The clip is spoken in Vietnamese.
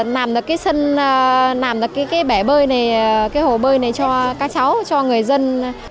làm được cái bể bơi này cái hồ bơi này cho các cháu cho người dân